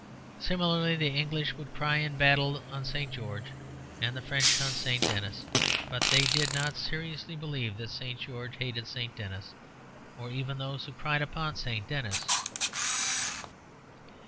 Similarly the English would cry in battle on St. George and the French on St. Denis; but they did not seriously believe that St. George hated St. Denis or even those who cried upon St. Denis.